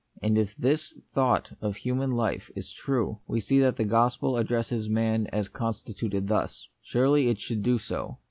And if this thought of human life is true, we see that the gospel addresses man as constituted thus. Surely it should do so.